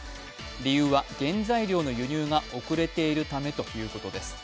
理由は原材料の輸入が遅れているためということです。